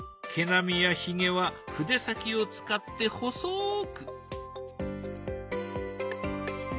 毛並みやひげは筆先を使って細く。